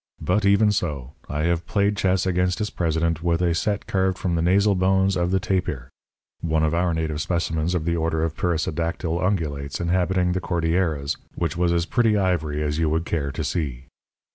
But, even so I have played chess against its president with a set carved from the nasal bones of the tapir one of our native specimens of the order of perissodactyle ungulates inhabiting the Cordilleras which was as pretty ivory as you would care to see.